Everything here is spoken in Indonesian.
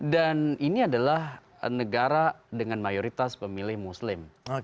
dan ini adalah negara dengan mayoritas pemilih muslim